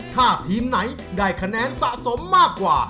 ถ้าทีมไหนได้คะแนนสะสมมากกว่า